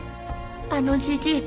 あのじじい。